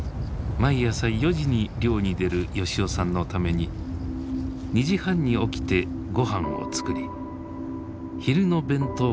毎朝４時に漁に出る吉男さんのために２時半に起きてごはんを作り昼の弁当も持たせて海に送り出す。